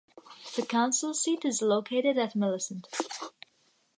The council seat is located at Millicent.